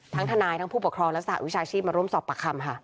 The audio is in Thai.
ทนายทั้งผู้ปกครองและสหวิชาชีพมาร่วมสอบปากคำค่ะ